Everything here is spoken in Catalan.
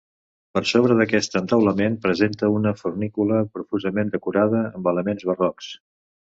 Per sobre d'aquest entaulament presenta una fornícula profusament decorada amb elements barrocs.